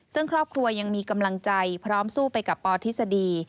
ซึ่งครอบครัวยังมีกำลังใจพร้อมสู้ไปกับปทฤษฎี